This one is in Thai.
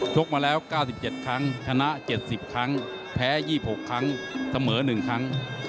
กมาแล้ว๙๗ครั้งชนะ๗๐ครั้งแพ้๒๖ครั้งเสมอ๑ครั้ง